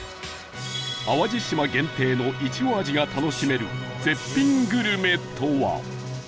淡路島限定のいちご味が楽しめる絶品グルメとは？